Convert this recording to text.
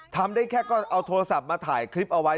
ทำได้แค่ก็เอาโทรศัพท์มาถ่ายคลิปเอาไว้